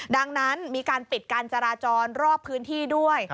ดังนั้นมีการปิดการจราจรรอบพื้นที่ด้วย